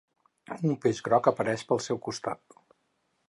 Un peix groc apareix pel seu costat.